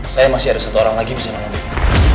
saya masih ada satu orang lagi bisa menolong baby